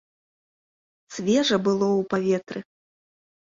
Свежа было ў паветры.